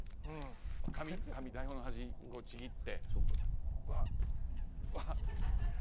紙、台本の端をちぎって。